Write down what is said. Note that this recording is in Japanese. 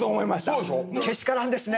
けしからんですね！